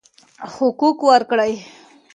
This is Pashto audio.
حقوق ورکړئ.